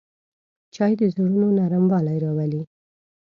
چای د زړونو نرموالی راولي